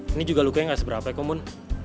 ini juga lukenya gak seberapa kok mumun